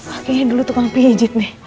akhirnya dulu tukang pijit nih